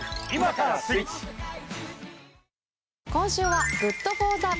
今週は。